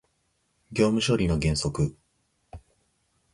業務処理の原則